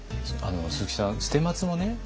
鈴木さん捨松もね